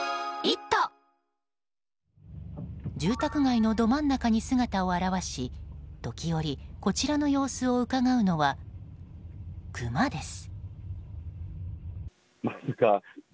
住宅街のど真ん中に姿を現し時折こちらの様子をうかがうのはクマです。